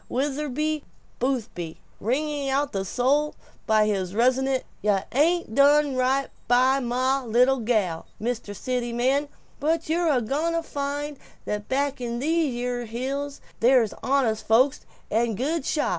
Witherbee Boothby wringing the soul by his resonant "Yuh ain't done right by mah little gal, Mr. City Man, but yer a goin' to find that back in these yere hills there's honest folks and good shots!"